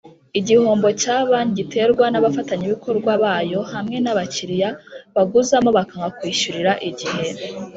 igihombo cya banki giterwa na bafatanyabikorwa bayo hamwe na bakiriya baguzamo bakanga kwishyurira igihe